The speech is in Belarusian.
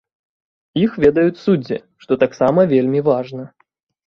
Іх ведаюць суддзі, што таксама вельмі важна.